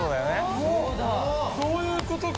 ・そういうことだ・・